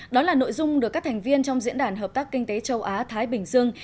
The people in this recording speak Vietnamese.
đó là nội dung được các thành viên trong diễn đàn hợp tác kinh tế châu á thái bình dương